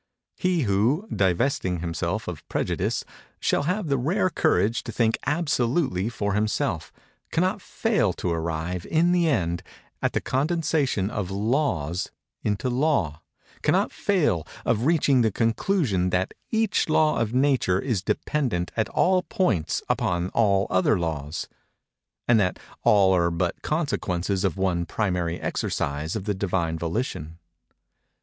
He who, divesting himself of prejudice, shall have the rare courage to think absolutely for himself, cannot fail to arrive, in the end, at the condensation of laws into Law—cannot fail of reaching the conclusion that each law of Nature is dependent at all points upon all other laws, and that all are but consequences of one primary exercise of the Divine Volition.